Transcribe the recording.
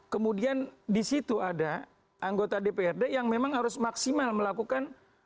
kemudian di situ ada anggota dprd yang memang harus maksimal melakukan